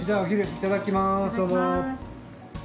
いただきます。